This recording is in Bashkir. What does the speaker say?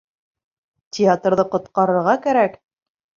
Театрҙы ҡотҡарырға кәрәк!